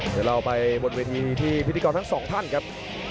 เดี๋ยวเราไปบนเวทีที่พิธีกรทั้งสองท่านครับ